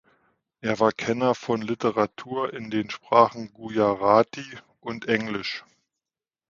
Er war Kenner von Literatur in den Sprachen Gujarati und Englisch.